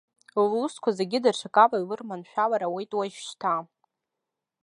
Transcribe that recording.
Лусқәа зегьы даҽакала илырманшәалар ауеит уажәшьҭа.